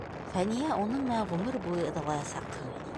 Фәниә, уның менән ғүмер буйы ыҙалаясаҡһың!